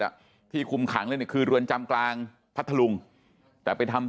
อ่ะที่คุมขังเลยเนี่ยคือเรือนจำกลางพัทธลุงแต่ไปทำ